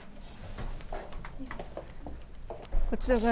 こちらが。